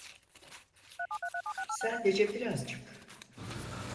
Sadece birazcık.